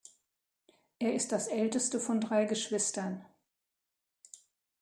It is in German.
Er ist das älteste von drei Geschwistern.